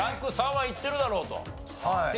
はい。